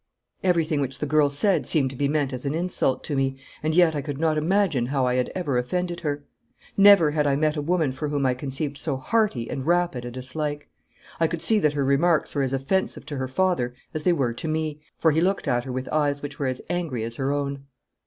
Everything which the girl said seemed to be meant as an insult to me, and yet I could not imagine how I had ever offended her. Never had I met a woman for whom I conceived so hearty and rapid a dislike. I could see that her remarks were as offensive to her father as they were to me, for he looked at her with eyes which were as angry as her own.